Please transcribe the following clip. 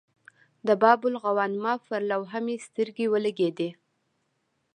د باب الغوانمه پر لوحه مې سترګې ولګېدې.